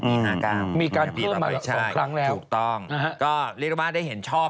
มีการเพิ่มอีก๒ครั้งแล้วใช่ถูกต้องเรียกได้ว่าได้เห็นชอบ